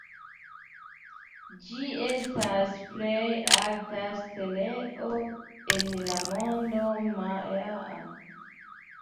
Ĝi estas plej alta steleo en la mondo majaa.